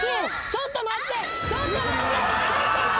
ちょっと待って。